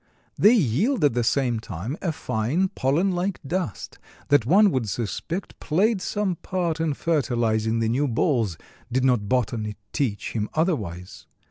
They yield at the same time a fine pollen like dust that one would suspect played some part in fertilizing the new balls, did not botany teach him otherwise.